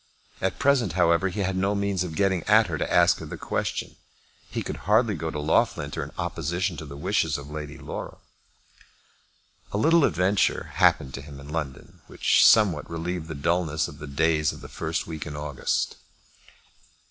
At present, however, he had no means of getting at her to ask her the question. He could hardly go to Loughlinter in opposition to the wishes of Lady Laura. A little adventure happened to him in London which somewhat relieved the dulness of the days of the first week in August.